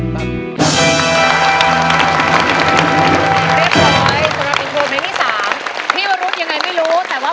แล้วอยู่กับพ่อผู้จัดหน่วง